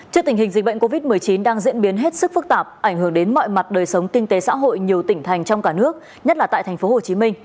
trước tình hình dịch bệnh covid một mươi chín đang diễn biến hết sức phức tạp ảnh hưởng đến mọi mặt đời sống kinh tế xã hội nhiều tỉnh thành trong cả nước nhất là tại tp hcm